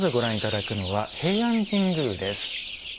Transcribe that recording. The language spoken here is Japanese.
まずはご覧いただくのは平安神宮です。